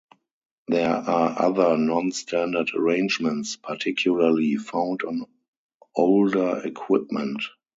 There are other non-standard arrangements, particularly found on older equipment.